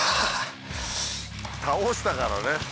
倒したからね。